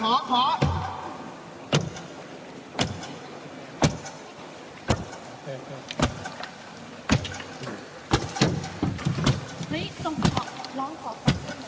เฮ้ยตรงข้อร้องของข้างนึง